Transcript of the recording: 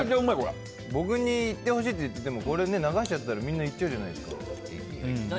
僕に行ってほしいって言って流しちゃったらみんな行っちゃうじゃないですか。